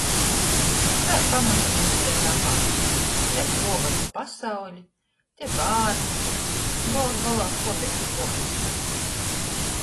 Tai pamazeņom dzeive apād. Te pluovoj pa pasauli, te bārni, gols golā - skuobeiti kuopusti.